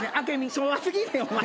昭和過ぎんねんお前。